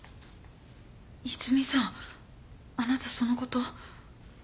泉さんあなたそのこと。